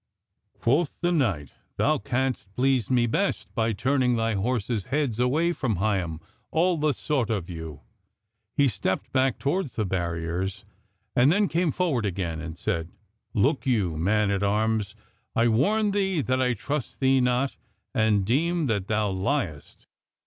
Quoth the knight: "Thou canst please me best by turning thy horses' heads away from Higham, all the sort of you." He stepped back toward the barriers, and then came forward again, and said: "Look you, man at arms, I warn thee that I trust thee not, and deem that thou liest.